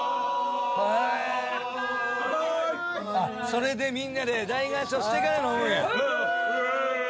・それでみんなで大合唱してから飲むんや。